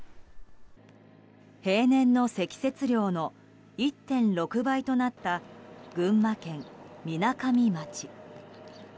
平年の積雪量の１．６倍となった群馬県みなかみ町。